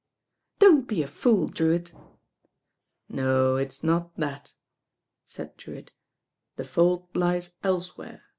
"Don't be a fool, Drewitt.'* "No, it's not that," said Drewitt, "the fault lies elsewhere.